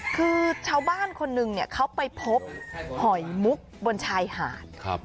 คือชาวบ้านคนหนึ่งเขาไปพบหอยมุกบนชายหาด